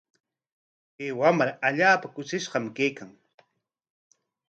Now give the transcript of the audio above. Kay wamra allaapa kushishqa kaykan.